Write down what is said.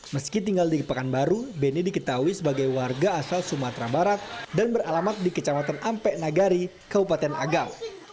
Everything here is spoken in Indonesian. meski tinggal di pekanbaru beni diketahui sebagai warga asal sumatera barat dan beralamat di kecamatan ampe nagari kabupaten agau